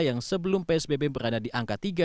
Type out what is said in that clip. yang sebelum psbb berada di angka tiga